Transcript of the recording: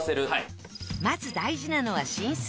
まず大事なのは浸水。